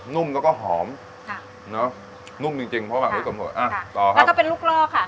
นุ่มแล้วก็หอมค่ะเนอะนุ่มจริงจริงเพราะว่าอ่ะต่อครับแล้วก็เป็นลูกล่อค่ะ